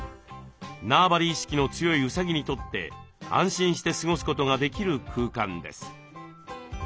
縄張り意識の強いうさぎにとって安心して過ごすことができる空間です。